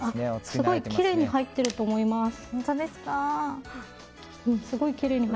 すごいきれいに入っていると思います。